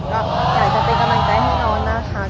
ก็อยากจะเป็นกำลังใจให้น้องนะคะ